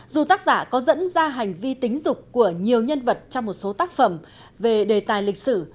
dù tác giả có dẫn ra hành vi tính dục của nhiều nhân vật trong một số tác phẩm về đề tài lịch sử